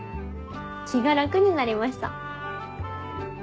気が楽になりました。